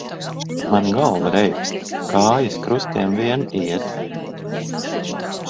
Man galva reibst, kājas krustiem vien iet.